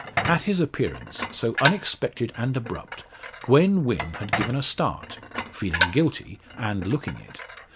At his appearance, so unexpected and abrupt, Gwen Wynn had given a start feeling guilty, and looking it.